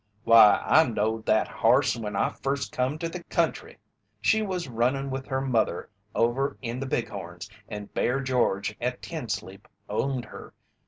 "Why, I knowed that harse when I first come to the country. She was runnin' with her mother over in the Bighorns, and Bear George at Tensleep owned her.